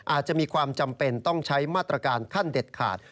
อาจจะมีความจำเป็นต้องใช้มาตรการขั้นเด็ดขาด